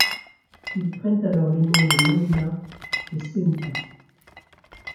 Ils prennent alors les noms de Melilla et Ceuta.